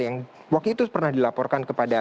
yang waktu itu pernah dilaporan